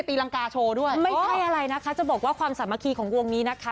ตีรังกาโชว์ด้วยไม่ใช่อะไรนะคะจะบอกว่าความสามัคคีของวงนี้นะคะ